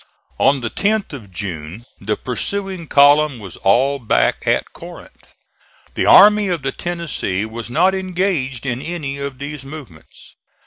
On the 10th of June the pursuing column was all back at Corinth. The Army of the Tennessee was not engaged in any of these movements.